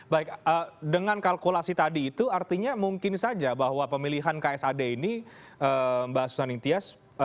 baik dengan kalkulasi tadi itu artinya mungkin saja bahwa pemilihan ksad ini mbak susaning tias